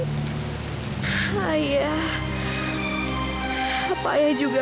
tthe boy dibawa pujian